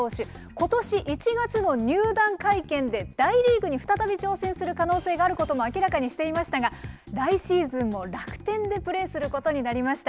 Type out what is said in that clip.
ことし１月の入団会見で、大リーグに再び挑戦する可能性があることも明らかにしていましたが、来シーズンも楽天でプレーすることになりました。